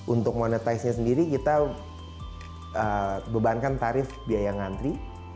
untuk monetisasi sendiri kita bebankan tarif biaya ngantri